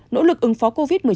nỗ lực ứng phó covid một mươi chín